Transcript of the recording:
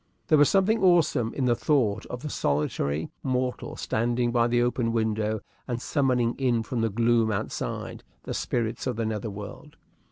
There was something awesome in the thought of the solitary mortal standing by the open window and summoning in from the gloom outside the spirits of the nether world.